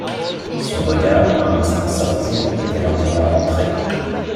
Son regard, un instant sorti, était maintenant rentré.